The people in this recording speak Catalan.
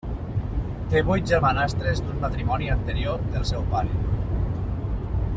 Té vuit germanastres d'un matrimoni anterior del seu pare.